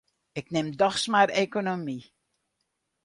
Ik nim dochs mar ekonomy.